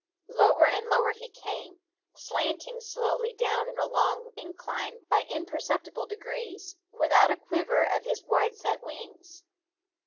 Lower and lower he came, slanting slowly down in a long incline by imperceptible degrees, without a quiver of his wide set wings.